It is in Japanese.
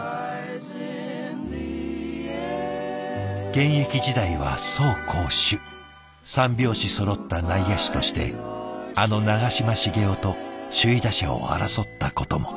現役時代は走攻守三拍子そろった内野手としてあの長嶋茂雄と首位打者を争ったことも。